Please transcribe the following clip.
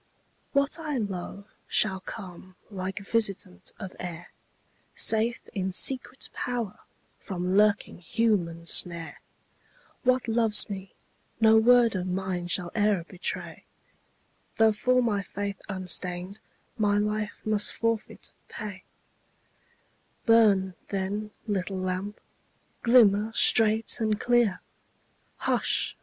What I love shall come like visitant of air, Safe in secret power from lurking human snare; What loves me, no word of mine shall e'er betray, Though for faith unstained my life must forfeit pay Burn, then, little lamp; glimmer straight and clear Hush!